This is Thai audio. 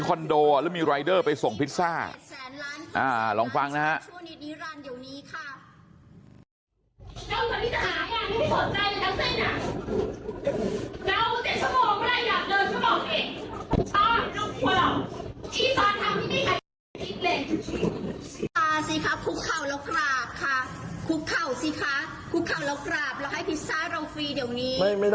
ของพิซซ่าอ่าลองฟังนะครับ